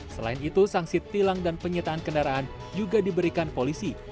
selain itu sanksi tilang dan penyitaan kendaraan juga diberikan polisi